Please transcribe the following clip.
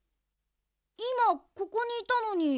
いまここにいたのに。